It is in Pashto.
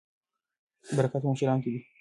برکت په مشرانو کې دی.